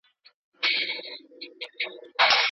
هغه د یوې افغانۍ پېغلې په څېر ډېره باحیا وه.